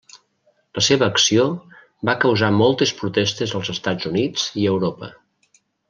La seva acció va causar moltes protestes als Estats Units i a Europa.